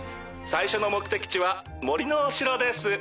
最初の目的地は森のお城です。